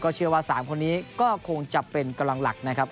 เชื่อว่า๓คนนี้ก็คงจะเป็นกำลังหลักนะครับ